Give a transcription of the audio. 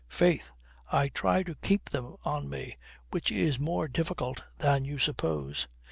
"Faith, I try to keep them on me. Which is more difficult than you suppose.